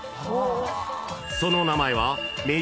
［その名前は］